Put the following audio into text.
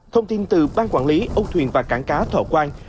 thông tin từ ban quản lý âu thuyền và cảng cá thọ quang